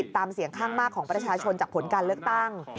ตามเสียงข้างมากของประชาชนจากผลการเลือกตั้ง